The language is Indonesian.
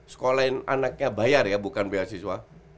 sekolahin anaknya bayar ya bukan beasiswa